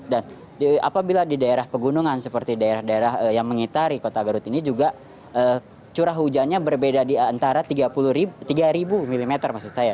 dan apabila di daerah pegunungan seperti daerah daerah yang mengitari kota garut ini juga curah hujannya berbeda di antara tiga mm maksud saya